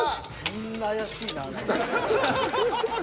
みんな怪しいな何か。